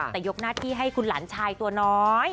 แต่ยกหน้าที่ให้คุณหลานชายตัวน้อย